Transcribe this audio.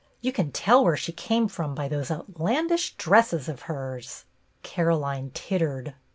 You can tell where she came from by those outlandish dresses of hers." Caroline tittered.